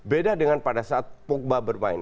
beda dengan pada saat pogba bermain